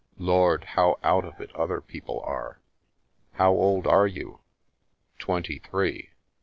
Lord, how out it other people are !"" How old are you ?" "Twenty three.